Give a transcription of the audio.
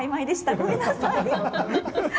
ごめんなさい。